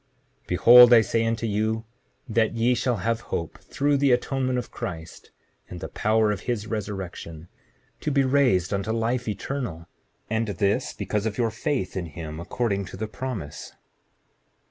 Behold I say unto you that ye shall have hope through the atonement of Christ and the power of his resurrection, to be raised unto life eternal, and this because of your faith in him according to the promise.